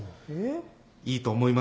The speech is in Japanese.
いいと思います。